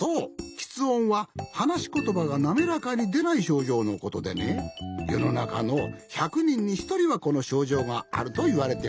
きつ音ははなしことばがなめらかにでないしょうじょうのことでねよのなかの１００にんにひとりはこのしょうじょうがあるといわれておるんじゃよ。